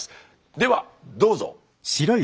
ではどうぞ。